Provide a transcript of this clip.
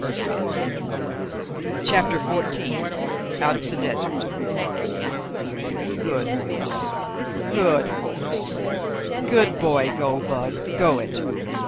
BOOK TWO CHAPTER XIV OUT OF THE DESERT "Good horse. Good horse. Good boy. Goldbug go it!